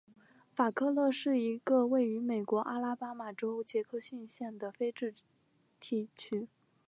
法克勒是一个位于美国阿拉巴马州杰克逊县的非建制地区。